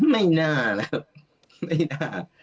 ไม่น่านะครับไม่น่า